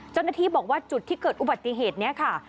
เจ้าหน้าที่บอกว่าจุดที่เกิดอุบัติเหตุนี้ค่ะ